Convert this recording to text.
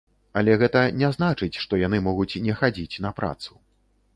Але гэта не значыць, што яны могуць не хадзіць на працу.